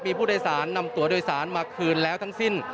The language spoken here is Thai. มีผู้โดยสารนำตัวโดยสารมาคืนแล้วทั้งสิ้น